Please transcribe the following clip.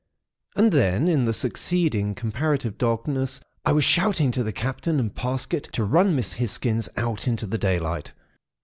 And then in the succeeding comparative darkness, I was shouting to the Captain and Parsket to run Miss Hisgins out into the daylight.